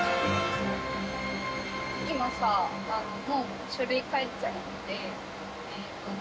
今さもう書類書いちゃって。